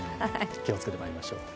気を付けてもらいましょう。